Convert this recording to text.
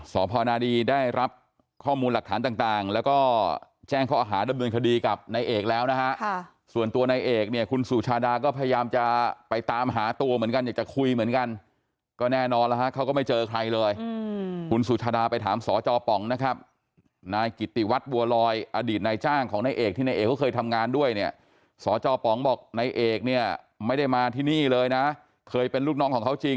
สอบภาวนาดีได้รับข้อมูลหลักฐานต่างแล้วก็แจ้งข้ออาหารดำเนินคดีกับนายเอกแล้วนะฮะส่วนตัวนายเอกเนี่ยคุณสุชาดาก็พยายามจะไปตามหาตัวเหมือนกันอยากจะคุยเหมือนกันก็แน่นอนนะฮะเขาก็ไม่เจอใครเลยคุณสุชาดาไปถามสจป๋องนะครับนายกิตติวัดบัวรอยอดีตนายจ้างของนายเอกที่นายเอกเคยทำงานด้วยเน